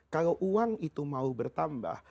kalau uang itu mau bertambah